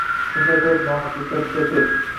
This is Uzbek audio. Shunday qilib, noaniqliklar juda ko'p